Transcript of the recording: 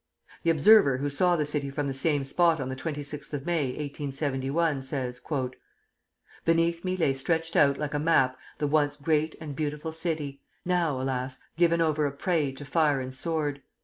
The observer who saw the city from the same spot on the 26th of May, 1871, says, "Beneath me lay stretched out like a map the once great and beautiful city, now, alas! given over a prey to fire and sword.